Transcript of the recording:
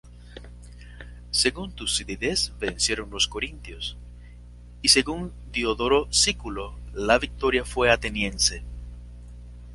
Según Tucídides vencieron los corintios y según Diodoro Sículo la victoria fue ateniense.